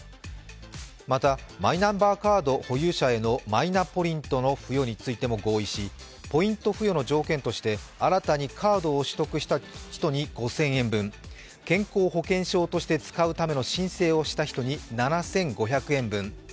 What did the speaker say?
またマイナンバーカード保有者へのマイナポイントの付与についても合意し、ポイント付与の条件として新たなカードを取得した人に５０００円分健康保険証として使うための申請をした人に７５００円分。